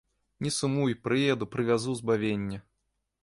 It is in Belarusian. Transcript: Не сумуй, прыеду, прывязу збавенне.